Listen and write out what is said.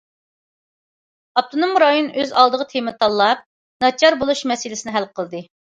ئاپتونوم رايون ئۆز ئالدىغا تېما تاللاپ،‹‹ ناچار بولۇش›› مەسىلىسىنى ھەل قىلدى.